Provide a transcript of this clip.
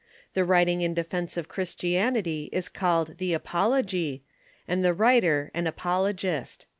The writing in de fence of Christianity is called the apology, and the writer an apologist.